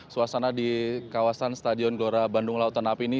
suasana di kawasan stadion gelora bandung lautan api ini